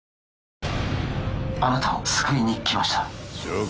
あなたを救いに来ました条件？